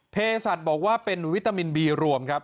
เพศัตริย์บอกว่าเป็นวิตามินบีรวมครับ